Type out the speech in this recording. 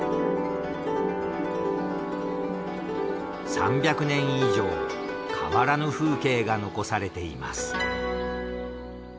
３００年以上変わらぬ風景が残されています。